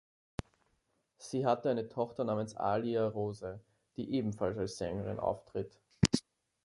Sie hatte eine Tochter namens Alia Rose, die ebenfalls als Sängerin auftritt.